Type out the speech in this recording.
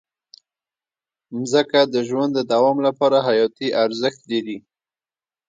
مځکه د ژوند د دوام لپاره حیاتي ارزښت لري.